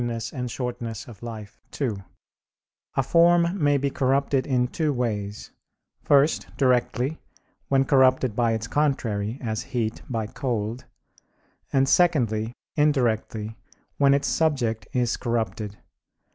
et Brev. Vitae ii), a form may be corrupted in two ways; first, directly, when corrupted by its contrary, as heat, by cold; and secondly, indirectly, when its subject is corrupted.